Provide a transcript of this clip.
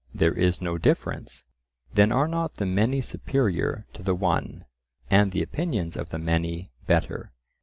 "There is no difference." Then are not the many superior to the one, and the opinions of the many better?